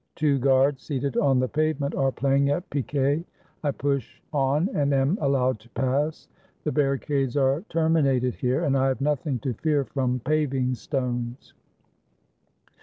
Two guards, seated on the pavement, are playing at picquet. I push on, and am allowed to pass. The barricades are terminated here, and I have nothing to fear from paving stones.